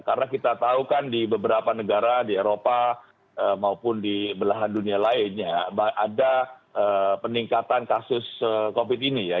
karena kita tahu kan di beberapa negara di eropa maupun di belahan dunia lainnya ada peningkatan kasus covid ini ya